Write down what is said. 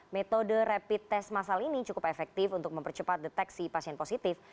metode rapid test masal ini cukup efektif untuk mempercepat deteksi pasien positif